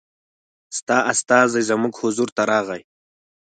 ستا استازی زموږ حضور ته راغی.